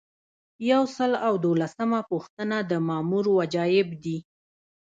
یو سل او دولسمه پوښتنه د مامور وجایب دي.